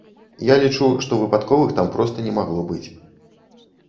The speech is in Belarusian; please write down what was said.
Я лічу, што выпадковых там проста не магло быць.